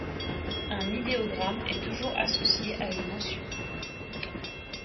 Un idéogramme est toujours associé à une mention.